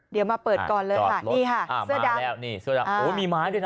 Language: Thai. เดี๋ยวมาเปิดก่อนเลยค่ะนี่ค่ะเสื้อดับโอ้ยมีไม้ด้วยนะ